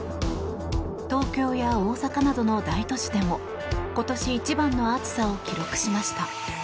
東京や大阪などの大都市でも今年一番の暑さを記録しました。